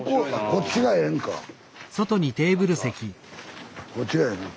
こっちがええな。